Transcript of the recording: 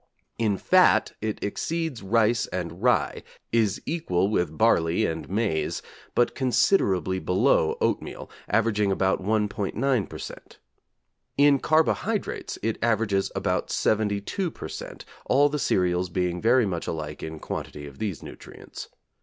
In fat it exceeds rice and rye, is equal with barley and maize, but considerably below oatmeal: averaging about 1.9 per cent. In carbohydrates it averages about seventy two per cent., all the cereals being very much alike in quantity of these nutrients.